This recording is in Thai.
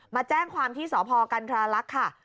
มาแจ้งความที่สพกันทราลักษณ์ค่ะ